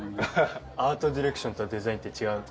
アートディレクションとデザインって違うの？